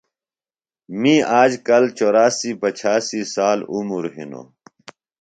می آجکل چوراسی پچھاسی سال عُمر ہِنوۡ